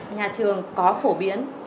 nhà trường có phổ biến